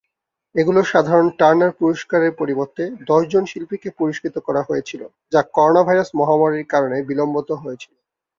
এগুলি সাধারণ টার্নার পুরস্কারের পরিবর্তে দশজন শিল্পীকে পুরস্কৃত করা হয়েছিল, যা করোনাভাইরাস মহামারীর কারণে বিলম্বিত হয়েছিল।